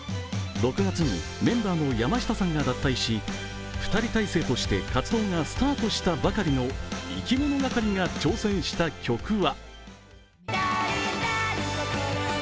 ６月にメンバーの山下さんが脱退し２人体制として活動がスタートしたばかりの、いきものがかりが挑戦した曲は。